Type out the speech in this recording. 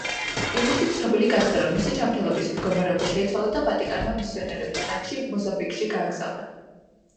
ივნისში ცნობილი გახდა, რომ მისი ჯანმრთელობის მდგომარეობა შეიცვალა და ვატიკანმა მისიონერის რანგში მოზამბიკში გააგზავნა.